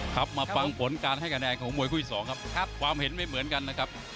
ครับมาฟังผลการให้คะแนนของมวยคู่อีกสองครับครับความเห็นไม่เหมือนกันนะครับ